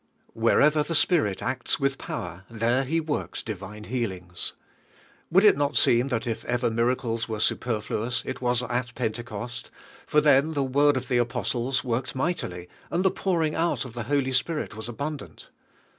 Wherever the Spirit acts with power, there He works divine healings. Would it not seem that if ever miracles were su perfluous, it was at Pentecost, for then the word of the apostles worked mightily, and the pouring out of the Holy Spirit was abundant?